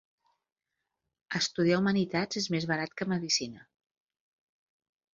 Estudiar Humanitats és més barat que Medicina.